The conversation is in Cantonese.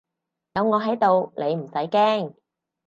有我喺度你唔使驚